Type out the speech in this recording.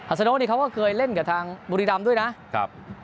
อัสโน้วนี่เขาก็เคยเล่นกับทางบุรีรัมด์ด้วยนะ